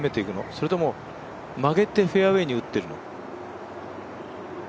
それとも曲げてフェアウエーに打ってるの？